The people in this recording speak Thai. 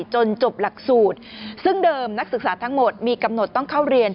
จนจบหลักสูตรซึ่งเดิมนักศึกษาทั้งหมดมีกำหนดต้องเข้าเรียน